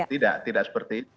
tidak tidak seperti itu